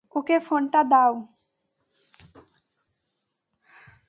ওকে ফোনটা দাও।